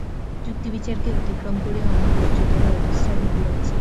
যুক্তিবিচারকে অতিক্রম করিয়া অনেক উচ্চতর অবস্থা রহিয়াছে।